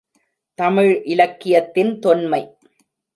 தமிழ் இலக்கியத்தின் தொன்மை.